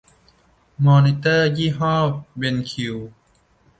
มอนิเตอร์ยี่ห้อเบนคิว